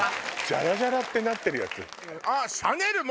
ジャラジャラってなってるやつ。